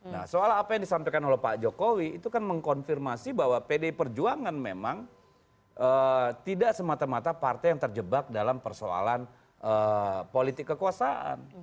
nah soal apa yang disampaikan oleh pak jokowi itu kan mengkonfirmasi bahwa pdi perjuangan memang tidak semata mata partai yang terjebak dalam persoalan politik kekuasaan